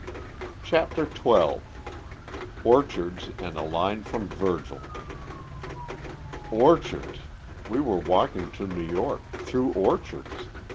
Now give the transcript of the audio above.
CHAPTER XII ORCHARDS AND A LINE FROM VIRGIL Orchards! We were walking to New York through orchards.